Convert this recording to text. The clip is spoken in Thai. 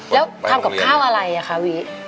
แล้วทำกับข้าวอะไรอ่ะคะวิ